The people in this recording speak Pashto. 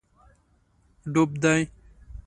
ډوب دی